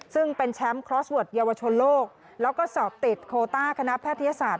ซึ่งเป็นแชมป์ยาวชนโลกแล้วก็สอบติดโคต้าคณะแพทยศาสตร์